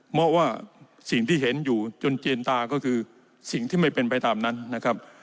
เพราะว่าสิ่งที่เห็นอยู่จนเจนตาก็คือสิ่งที่ไม่เป็นไปตามนั้นนะครับ